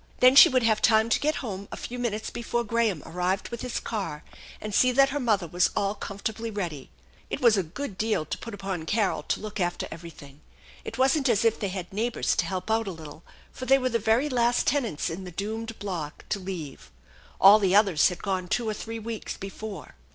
Then she would have time to get home a few minutes before Graham arrived with his car, and see that her mother was all comfortably ready. It was a good deal to put upon Carol to look after everything. It wasn't as if they had neighbors to help out a little, for they were the very last tenants in the doomed block to leave. All the others had gone two or three weeks before.